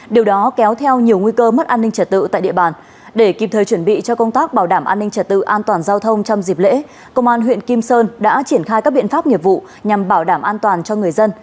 điều đó kéo theo nhiều nguy cơ mất an ninh trật tự tại địa bàn để kịp thời chuẩn bị cho công tác bảo đảm an ninh trật tự an toàn giao thông trong dịp lễ công an huyện kim sơn đã triển khai các biện pháp nghiệp vụ nhằm bảo đảm an toàn cho người dân